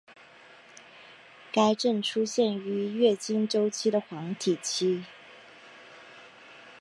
该症出现于月经周期的黄体期。